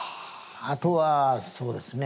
あとはそうですね